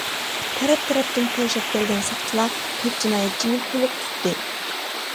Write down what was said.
تەرەپ-تەرەپتىن قورشاپ كەلگەن ساقچىلار تۆت جىنايەتچىنى تۇلۇق تۇتتى.